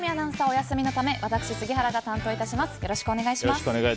お休みのため私、杉原が担当いたします。